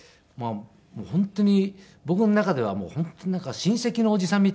もう本当に僕の中では本当になんか親戚のおじさんみたいな。